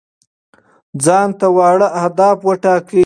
ځان ته واړه اهداف وټاکئ.